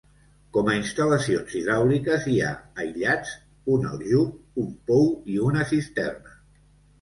Com a instal·lacions hidràuliques hi ha, aïllats, un aljub, un pou i una cisterna.